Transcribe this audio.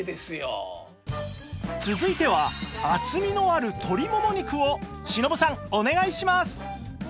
続いては厚みのある鶏モモ肉を忍さんお願いします！